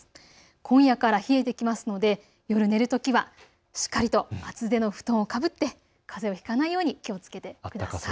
今夜から冷えてきますので夜寝るときはしっかりと厚手の布団をかぶってかぜをひかないように気をつけてください。